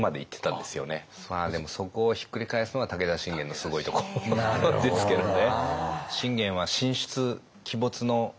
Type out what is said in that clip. まあでもそこをひっくり返すのが武田信玄のすごいところですけどね。